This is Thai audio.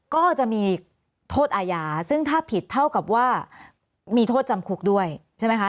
ก็จะมีโทษอาญาซึ่งถ้าผิดเท่ากับว่ามีโทษจำคุกด้วยใช่ไหมคะ